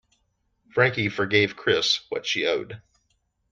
Frankie forgave Chris what she owed.